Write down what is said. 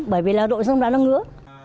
bởi vì là đội sông đó nó ngứa